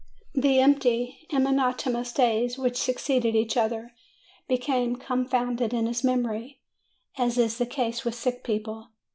The empty and monot onous days which succeeded each other became con founded in his memory, as is the case with sick people.